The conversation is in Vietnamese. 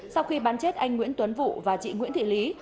sau khi bắn chết anh nguyễn tuấn vụ và chị nguyễn thị lý